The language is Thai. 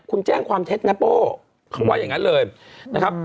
คุณแจ้งความเท็จนะโป้เขาว่าอย่างนั้นเลยนะครับ